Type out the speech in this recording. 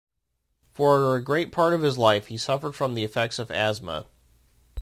For a great part of his life, he suffered from the effects of asthma.